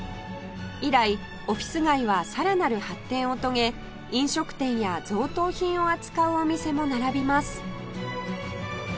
以来オフィス街はさらなる発展を遂げ飲食店や贈答品を扱うお店も並びます